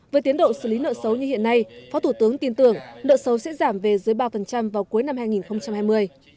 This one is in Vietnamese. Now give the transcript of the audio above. với tiến độ xử lý nợ xấu như hiện nay phó thủ tướng tin tưởng nợ xấu sẽ giảm về dưới ba vào cuối năm hai nghìn hai mươi